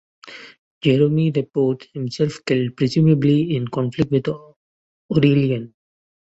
Jerome reports him killed, presumably in conflict with Aurelian.